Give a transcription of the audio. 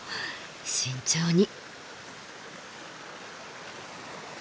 慎重に。